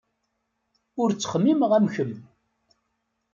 Ur ttxemmimeɣ am kemm.